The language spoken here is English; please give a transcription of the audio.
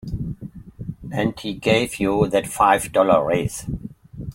And he gave you that five dollar raise.